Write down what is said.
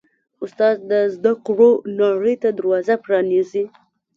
استاد د زده کړو نړۍ ته دروازه پرانیزي.